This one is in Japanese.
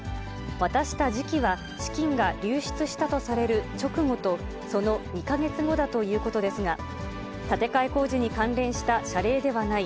渡した時期は、資金が流出したとされる直後とその２か月後だということですが、建て替え工事に関連した謝礼ではない。